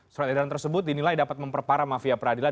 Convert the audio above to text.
surat edaran tersebut dinilai dapat memperparah mafia peradilan